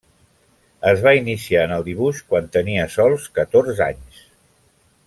Es va iniciar en el dibuix quan tenia sols catorze anys.